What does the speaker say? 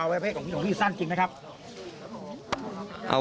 อวัยวะเพชรหลวงพี่สั้นจริงไหมครับ